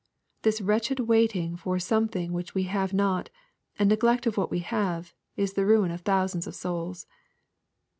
This wretched wait ing for something which we have not, and neglect of what we have, is the ruin of thousands of souls.